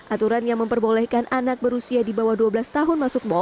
aturan yang memperbolehkan anak berusia di bawah dua belas tahun masuk mal